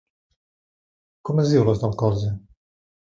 Com es diu l'os del colze?